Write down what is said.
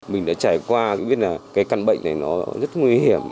mình đã trải qua biết là cái căn bệnh này nó rất nguy hiểm